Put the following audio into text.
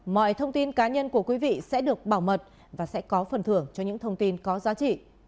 mọi thông tin cá nhân của quý vị sẽ được bảo mật và sẽ có phần thưởng cho những thông tin có giá trị